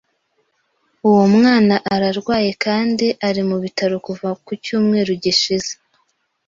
Uwo mwana ararwaye kandi ari mu bitaro kuva ku cyumweru gishize.